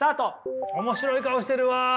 面白い顔してるわ。